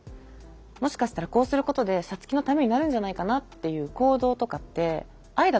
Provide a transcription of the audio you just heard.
もしかしたらこうすることでサツキのためになるんじゃないかなっていう行動とかって愛だと思うんですよね。